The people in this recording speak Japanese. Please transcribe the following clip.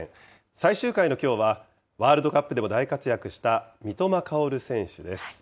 最終回のきょうは、ワールドカップでも大活躍した三笘薫選手です。